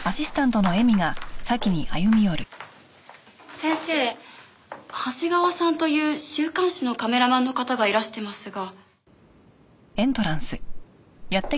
先生長谷川さんという週刊誌のカメラマンの方がいらしてますが。